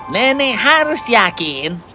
nenek harus yakin